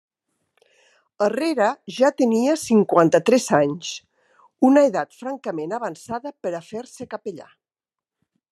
Herrera ja tenia cinquanta-tres anys, una edat francament avançada per a fer-se capellà.